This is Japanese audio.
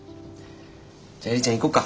じゃ映里ちゃん行こうか。